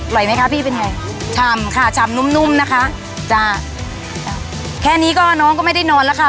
ไหมคะพี่เป็นไงชำค่ะชำนุ่มนุ่มนะคะจ้ะแค่นี้ก็น้องก็ไม่ได้นอนแล้วค่ะ